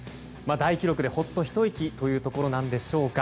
大記録でほっとひと息というところなんでしょうか？